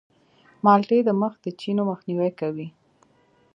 مالټې د مخ د چینو مخنیوی کوي.